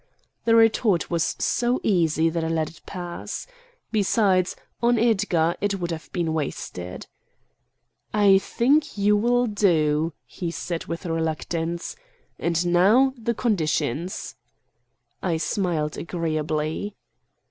The retort was so easy that I let it pass. Besides, on Edgar, it would have been wasted. "I think you will do," he said with reluctance. "And now the conditions!" I smiled agreeably.